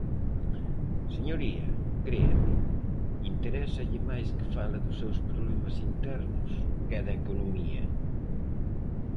Señoría, créame, interésalle máis que fale dos seus problemas internos que de economía.